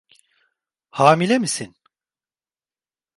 Hamile misin?